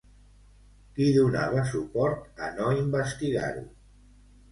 Qui donava suport a no investigar-ho?